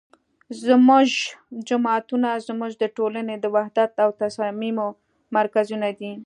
زمونږ جوماتونه زمونږ د ټولنې د وحدت او تصاميمو مرکزونه دي